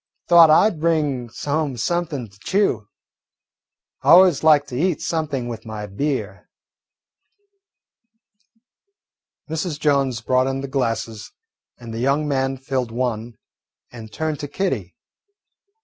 "Thought I 'd bring home something to chew. I always like to eat something with my beer." Mrs. Jones brought in the glasses, and the young man filled one and turned to Kitty.